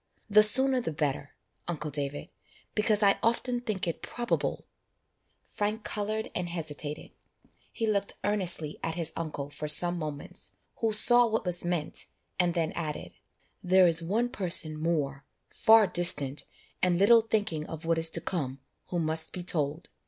The sooner the better, uncle David, because I often think it probable " Frank coloured and hesitated; he looked earnestly at his uncle for some moments, who saw what was meant, and then added, "There is one person more, far distant, and little thinking of what is to come, who must be told.